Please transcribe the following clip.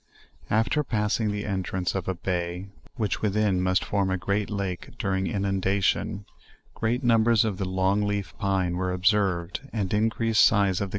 After passing .the entrance of a bay, which within must form a great lajte during inun dation, great numbers of the long leaf pine were observed^ and increased size of the.